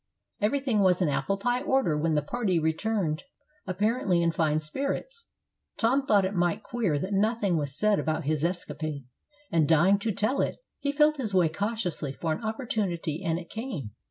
Everything was in "apple pie order" when the party returned, apparently in fine spirits. Tom thought it mighty queer that nothing was said about his escapade, and dying to tell it, he felt his way cautiously for an opportunity, and it came.